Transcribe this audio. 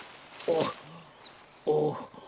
おお。